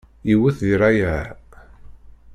Iwwet di rrayeɛ.